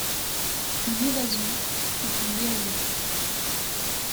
Une évasion, c’est une guérison.